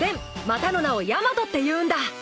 またの名をヤマトっていうんだ。